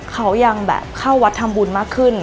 เขายังแบบเข้าวัดทำบุญมากขึ้น